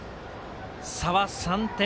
差は３点。